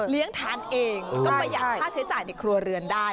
เลี้ยงทานเองไม่ยากค่าเชื้อจ่ายในครัวเรือนได้